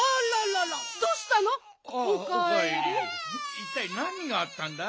いったいなにがあったんだい？